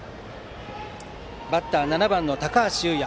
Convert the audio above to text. バッターは７番の高橋佑弥。